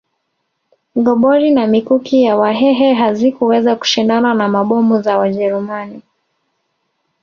Gobori na mikuki ya Wahehe hazikuweza kushindana na mabomu za Wajerumani